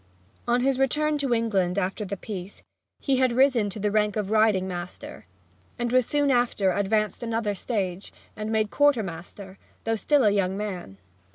On his return to England after the peace he had risen to the rank of riding master, and was soon after advanced another stage, and made quartermaster, though still a young man.